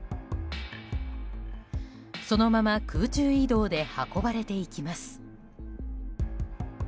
そのまま、空中移動で運ばれていきます。